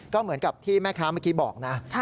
ก็เหมือนกับที่แม่ค้าเมื่อกี้บอกนะ